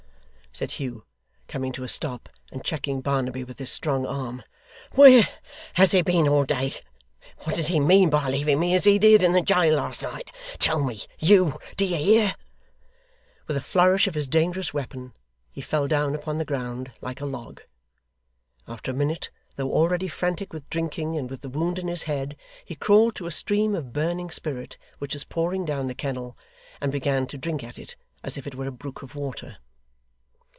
said Hugh, coming to a stop, and checking Barnaby with his strong arm. 'Where has he been all day? What did he mean by leaving me as he did, in the jail, last night? Tell me, you d'ye hear!' With a flourish of his dangerous weapon, he fell down upon the ground like a log. After a minute, though already frantic with drinking and with the wound in his head, he crawled to a stream of burning spirit which was pouring down the kennel, and began to drink at it as if it were a brook of water.